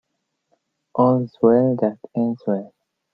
All's well that ends well.